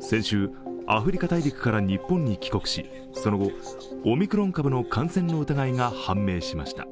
先週、アフリカ大陸から日本に帰国し、その後、オミクロン株の感染の疑いが判明しました。